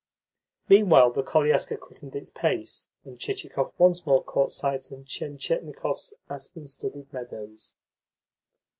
Meanwhile the koliaska quickened its pace, and Chichikov once more caught sight of Tientietnikov's aspen studded meadows.